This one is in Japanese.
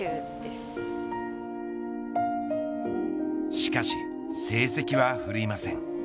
しかし、成績は振るいません。